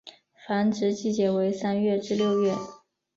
繁殖季节为三月至六月。